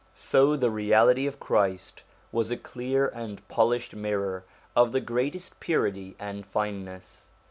So the Reality of Christ was a clear and polished mirror of the greatest purity and fineness.